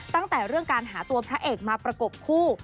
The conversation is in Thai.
ตั้งแต่เรื่องการหาตัวพระเอกมาประกบคู่